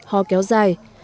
hò kéo dài